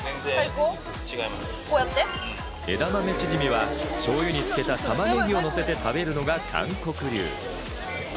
枝豆チヂミは醤油に漬けた玉ねぎをのせて食べるのが韓国流。